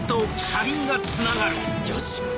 ⁉よし！